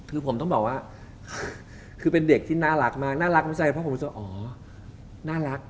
คือผมต้องบอกว่าคือเป็นเด็กที่น่ารักมากน่ารักเพราะผมรู้สึกอ๋อน่ารัก